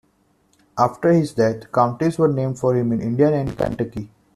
After his death, counties were named for him in Indiana and Kentucky.